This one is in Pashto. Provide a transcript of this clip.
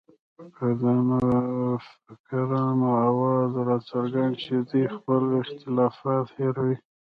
که د نوفکرانو اواز راڅرګند شي، دوی خپل اختلافات هېروي